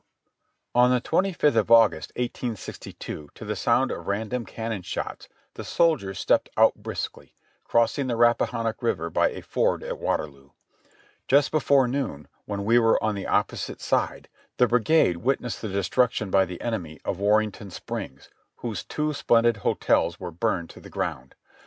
THE SECOND MANASSAS 24 1 On the twenty fifth of August, 1862, to the sound of random cannon shots the soldiers stepped out briskly, crossing the Rap pahannock River by a ford at Waterloo. Just before noon, when we were on the opposite side, the brigade witnessed the destruc tion by the enemy of Warrenton Springs, whose two splendid hotels were burned to the ground.